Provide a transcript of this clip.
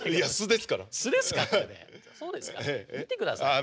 見てください。